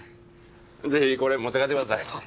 ぜひこれ持って帰ってください。